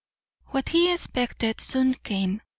What he expected soon came.